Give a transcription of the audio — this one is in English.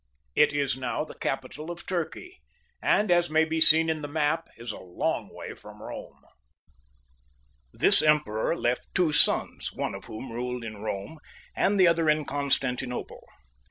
It is now the capital of Turkey, and, as may be seen in the map, is a long way from Bome. This emperor left two sons, one of whom ruled in Bome, and the other in Constantinople.